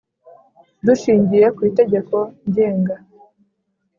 Dushingiye ku Itegeko Ngenga